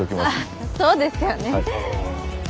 あっそうですよね。